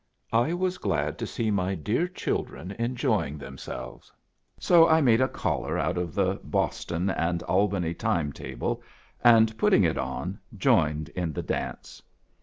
" I was glad to see my dear children enjoying them selves, so I made a collar out of the Boston and Albany time table, and putting it on, joined in the dance.